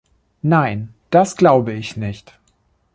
Nein, das glaube ich nicht.